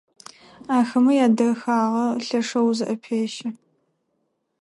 Ахэмэ ядэхагъэ лъэшэу узыӏэпещэ.